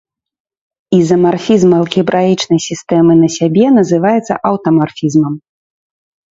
Ізамарфізм алгебраічнай сістэмы на сябе называецца аўтамарфізмам.